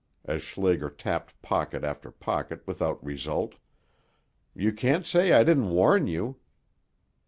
as Schlager tapped pocket after pocket, without result, "you can't say I didn't warn you.